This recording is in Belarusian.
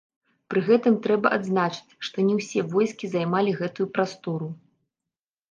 Пры гэтым трэба адзначыць, што не ўсе войскі займалі гэтую прастору.